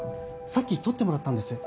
さっき撮ってもらったんです